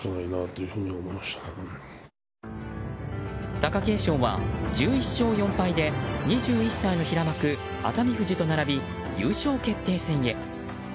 貴景勝は１１勝４敗で２１歳の平幕・熱海富士と並び優勝決定戦へ。